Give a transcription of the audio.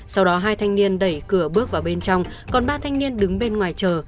sau đó hai thanh niên đẩy cửa bước vào bên trong còn ba thanh niên đứng bên ngoài chờ